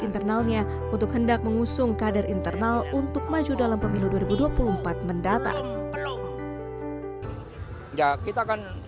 internalnya untuk hendak mengusung kader internal untuk maju dalam pemilu dua ribu dua puluh empat mendatang belum ya kita akan